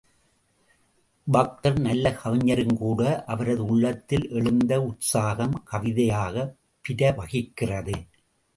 பக்தர் நல்ல கவிஞரும் கூட, அவரது உள்ளத்தில் எழுந்த உற்சாகம் கவிதையாக பிரவகிக்கிறது.